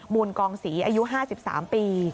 มูลกองศรีอายุ๕๓ปี